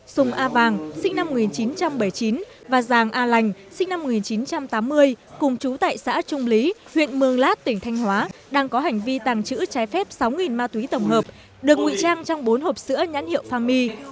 sùng a bàng sinh năm một nghìn chín trăm bảy mươi chín và giàng a lành sinh năm một nghìn chín trăm tám mươi cùng chú tại xã trung lý huyện mường lát tỉnh thanh hóa đang có hành vi tàng trữ trái phép sáu ma túy tổng hợp được nguy trang trong bốn hộp sữa nhãn hiệu fami